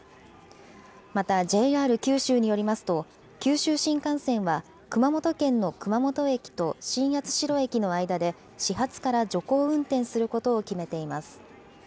またＪＲ九州によりますと、九州新幹線は熊本県の熊本駅と新八代駅の間で始発から徐行運転することを決めています。